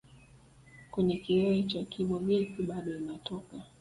Kwenye kilele cha Kibo gesi bado inatoka